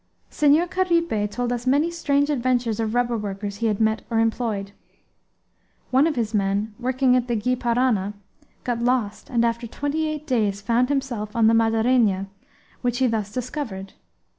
Senhor Caripe told us many strange adventures of rubber workers he had met or employed. One of his men, working on the Gy Parana, got lost and after twenty eight days found himself on the Madeirainha, which he thus discovered.